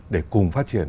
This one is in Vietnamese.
để cùng phát triển